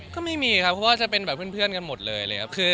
ก็ไม่มีเพราะว่าจะเป็นเพื่อนกันหมดเลย